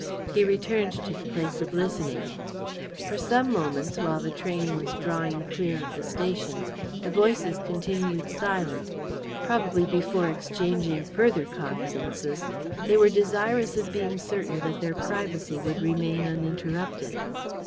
He returned to the place of listening. For some moments, while the train was drawing clear of the station, the voices continued silent probably before exchanging further confidences they were desirous of being certain that their privacy would remain uninterrupted.